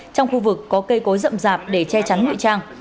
trong khu vực có cây cối rậm rạp để che chắn ngụy trang